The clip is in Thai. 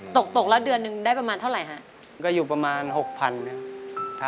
ตกตกแล้วเดือนหนึ่งได้ประมาณเท่าไหร่ฮะก็อยู่ประมาณหกพันหนึ่ง